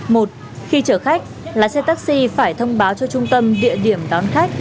một khi chở khách lái xe taxi phải thông báo cho trung tâm địa điểm đón khách